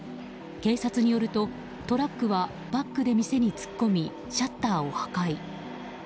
警察によるとトラックはバックで店に突っ込みシャッターを破壊。